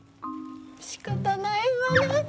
しかたないわね。